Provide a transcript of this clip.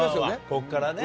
ここからね。